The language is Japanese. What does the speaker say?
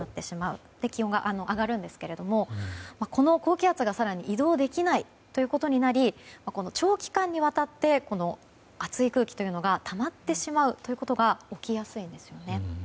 それで気温が上がるんですけどもこの高気圧が更に移動できないということになり長期間にわたって暑い空気というのがたまってしまうということが起きやすいんですよね。